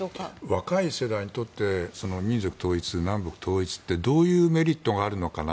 若い世代にとって民族統一、南北統一ってどういうメリットがあるのかな